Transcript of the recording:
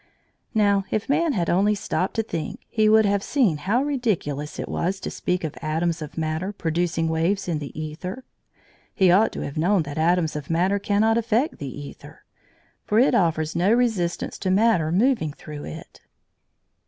Now if man had only stopped to think, he would have seen how ridiculous it was to speak of atoms of matter producing waves in the æther. He ought to have known that atoms of matter cannot affect the æther, for it offers no resistance to matter moving through it.